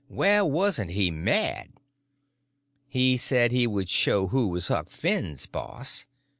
Well, wasn't he mad? He said he would show who was Huck Finn's boss.